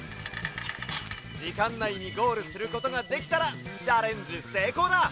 じかんないにゴールすることができたらチャレンジせいこうだ！